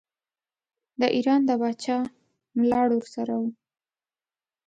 د ایران د پاچا ملاړ ورسره وو.